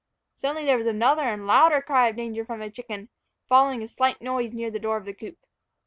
Suddenly there was another and a louder cry of danger from a chicken, following a slight noise near the door of the coop.